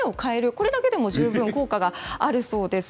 これだけでも十分、効果があるそうです。